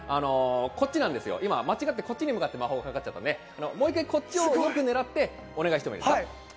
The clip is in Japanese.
こっちなんですよ、今こっちに向かって魔法がかかっちゃったので、もう１回こっちをねらってお願いしてもいいですか？